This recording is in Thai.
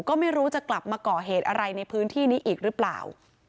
ก็ไม่รู้จะกลับมาก่อเหตุอะไรในพื้นที่นี้อีกหรือเปล่า